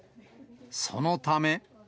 そのため。